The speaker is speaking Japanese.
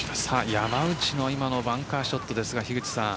山内の今のバンカーショットですが。